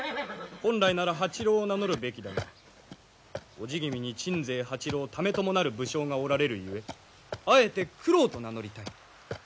本来なら八郎を名乗るべきだが叔父君に鎮西八郎爲朝なる武将がおられるゆえあえて九郎と名乗りたい。